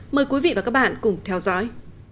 mời quý vị và các bạn cùng theo dõi